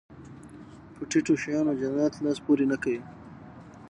په ټيټو شیانو جنایت لاس پورې نه کوي.